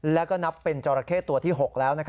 แล้วก็นับเป็นจราเข้ตัวที่๖แล้ว